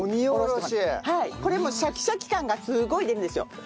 これもうシャキシャキ感がすごい出るんですよ。